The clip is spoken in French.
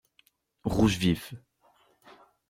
Rouge vif.